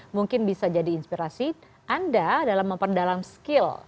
mungkin bisa jadi inspirasi anda dalam memperdalam skill